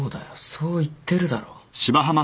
そう言ってるだろ。